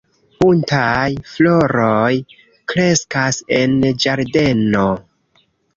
Buntaj floroj kreskas en ĝardeno.